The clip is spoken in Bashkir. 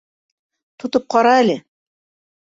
Тотоп ҡара әле.